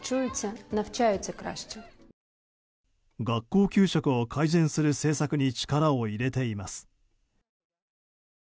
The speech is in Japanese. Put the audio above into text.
学校給食を改善する政策に力を入れています。